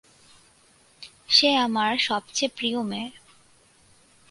সে আমার সবচেয়ে প্রিয় মেয়ে।